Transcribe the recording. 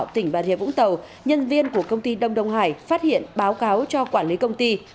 tỉnh bà rịa vũng tàu nhân viên của công ty đông đông hải phát hiện báo cáo cho quản lý công ty